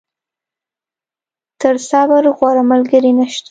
تر صبر، غوره ملګری نشته.